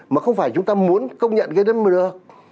mà không phải chúng ta muốn công nhận cái đất mưa